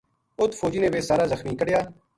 اُت فوجیاں نے ویہ سارا زخمی کَڈھیا